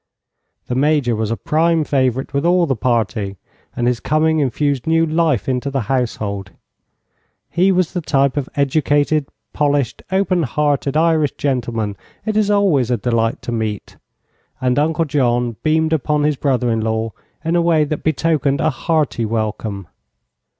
The Major was a prime favorite with all the party and his coming infused new life into the household. He was the type of educated, polished, open hearted Irish gentleman it is always a delight to meet, and Uncle John beamed upon his brother in law in a way that betokened a hearty welcome.